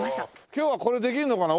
今日はこれできるのかな？